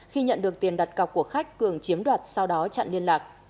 khi nhận được tiền đặt cọc của khách cường chiếm đoạt sau đó chặn liên lạc